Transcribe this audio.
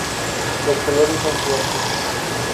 Los colores son fuertes.